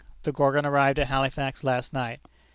The Gorgon arrived at Halifax last night.